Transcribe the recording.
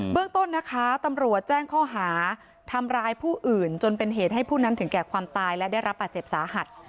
เรื่องต้นนะคะตำรวจแจ้งข้อหาทำร้ายผู้อื่นจนเป็นเหตุให้ผู้นั้นถึงแก่ความตายและได้รับบาดเจ็บสาหัส